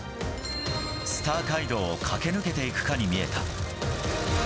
スター街道を駆け抜けていくかに見えた。